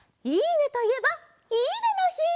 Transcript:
「いいね！」といえば「いいね！の日」。